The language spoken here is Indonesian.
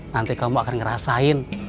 nanti kamu akan ngerasain